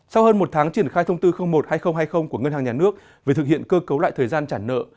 sau hơn một tháng triển khai thông tư một hai nghìn hai mươi của ngân hàng nhà nước về thực hiện cơ cấu lại thời gian trả nợ